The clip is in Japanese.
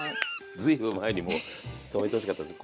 ずいぶん前にもう止めてほしかったです。